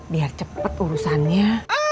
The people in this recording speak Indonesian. biar cepet urusannya